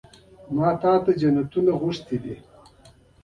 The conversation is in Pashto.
ما وتا ته جنتونه دي غوښتلي